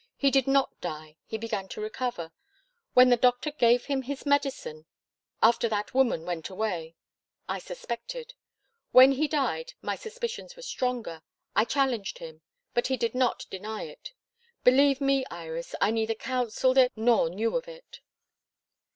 He did not die; he began to recover. When the doctor gave him his medicine after that woman went away I suspected. When he died, my suspicions were stronger. I challenged him. He did not deny it. Believe me, Iris, I neither counselled it nor knew of it."